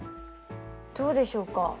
どうでしょうか？